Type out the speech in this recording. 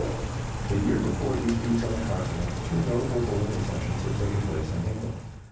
The year before these feats on the Continent two notable balloon ascensions had taken place in England.